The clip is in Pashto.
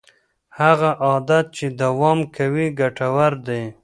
هغه عادت چې دوام کوي ګټور دی.